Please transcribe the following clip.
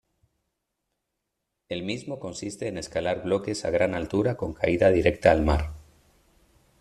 El mismo consiste en escalar bloques a gran altura con caída directa al mar.